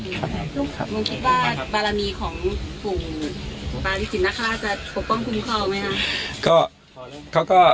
คุณคิดว่าบารมีของฝุ่งปลาดิจิตนัคราชจะปกป้องคุ้มเขาไหมครับ